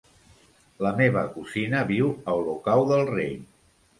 La meva cosina viu a Olocau del Rei.